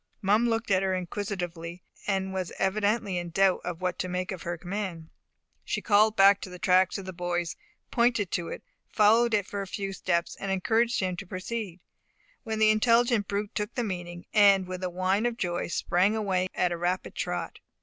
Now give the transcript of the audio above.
Mum looked at her inquisitively, and was evidently in doubt what to make of her command. She called him to the track of the boys, pointed to it, followed it for a few steps, and encouraged him to proceed, when the intelligent brute took the meaning, and with a whine of joy sprang away at a rapid trot.